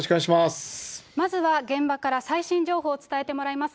まずは、現場から最新情報を伝えてもらいます。